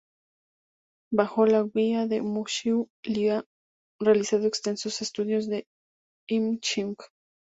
Bajo la guía de Mu Xiu, Li había realizado extensos estudios del "I Ching".